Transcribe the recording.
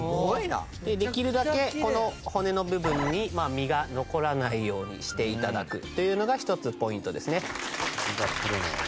できるだけこの骨の部分に身が残らないようにして頂くっていうのが一つポイントですね。